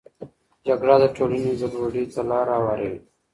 جګړه د ټولنې ګډوډي ته لاره هواروي.